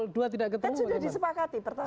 sudah disepakati pertama